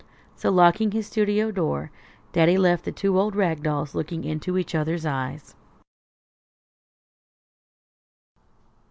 So, locking his studio door, Daddy left the two old rag dolls looking into each other's eyes.